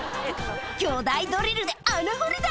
巨大ドリルで穴掘りだ。